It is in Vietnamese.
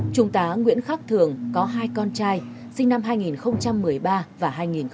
chúng ta nguyễn khắc thường có hai con trai sinh năm hai nghìn một mươi ba và hai nghìn một mươi bốn